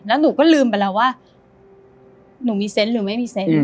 แล้วหนูก็ลืมไปแล้วว่าหนูมีเซนต์หรือไม่มีเซนต์